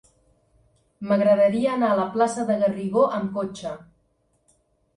M'agradaria anar a la plaça de Garrigó amb cotxe.